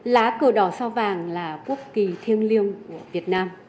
lá cờ đỏ sao vàng là quốc kỳ thiêng liêng của việt nam